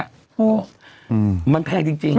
โอ้โหมันแพงจริง